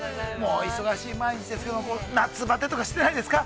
お忙しい毎日ですけれども、夏ばてとかはしてないですか。